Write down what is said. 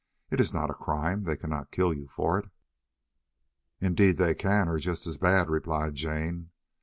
It is not a crime; they cannot kill you for it." "Indeed they can, or just as bad," replied Jane.